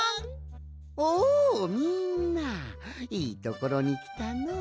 おおみんないいところにきたの。